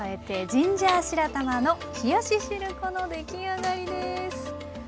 ジンジャー白玉の冷やししるこの出来上がりです。